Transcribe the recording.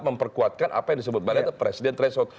membuatkan apa yang disebut balena presiden threshold